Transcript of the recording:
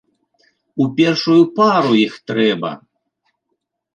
У першую пару іх трэба!